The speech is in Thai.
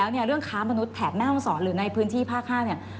โดยสถิติแล้วเรื่องค้ามนุษย์แผดแม่ฮังศรหรือในพื้นที่ภาคห้า